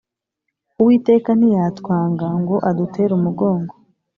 Uwiteka ntiyatwanga ngo adutere umugongo